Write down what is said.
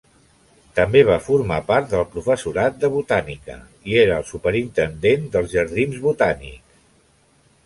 També va formar part del professorat de botànica i era el superintendent dels jardins botànics.